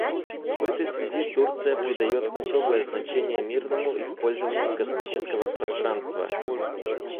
В этой связи Турция придает особое значение мирному использованию космического пространства.